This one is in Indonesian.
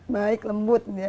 baik lembut ya